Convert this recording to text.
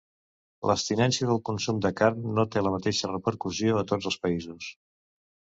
L'abstinència del consum de carn no té la mateixa repercussió a tots els països.